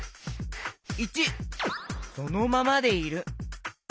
①そのままでいる。